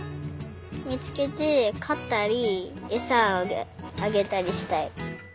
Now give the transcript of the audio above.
みつけてかったりえさをあげたりしたい。